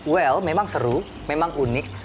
well memang seru memang unik